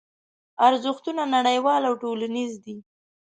ارزښتونه نړیوال او ټولنیز دي.